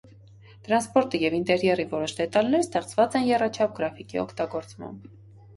Տրանսպորտը և ինտերիերի որոշ դետալներ ստեղծված են եռաչափ գրաֆիկի օգտագործությամբ։